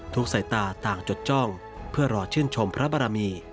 สายตาต่างจดจ้องเพื่อรอชื่นชมพระบารมี